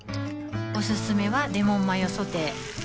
おすすめはレモンマヨソテー